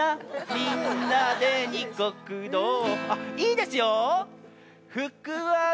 みんなでにこく堂あっいいですよ！